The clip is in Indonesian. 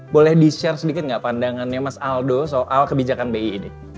boleh di share sedikit nggak pandangannya mas aldo soal kebijakan bi ini